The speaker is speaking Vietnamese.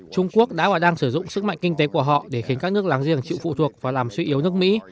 trung quốc đã và đang sử dụng sức mạnh kinh tế của họ để khiến các nước láng giềng chịu phụ thuộc và làm suy yếu nước mỹ